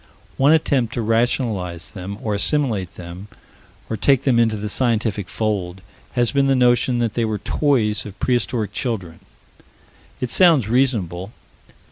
One attempt to rationalize them, or assimilate them, or take them into the scientific fold, has been the notion that they were toys of prehistoric children. It sounds reasonable.